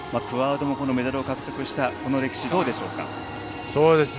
クアードのメダル獲得しているこの歴史、どうでしょうか？